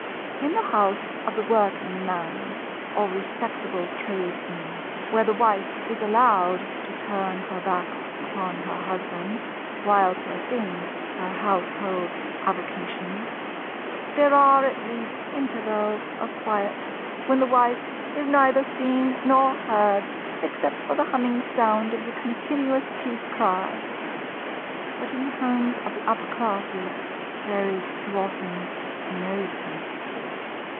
In the house of the Working Man or respectable Tradesman—where the wife is allowed to turn her back upon her husband, while pursuing her household avocations—there are at least intervals of quiet, when the wife is neither seen nor heard, except for the humming sound of the continuous Peace cry; but in the homes of the upper classes there is too often no peace.